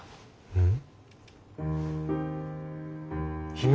うん。